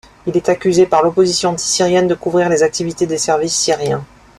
Il est accusé par l'opposition anti-syrienne de couvrir les activités des services syriens.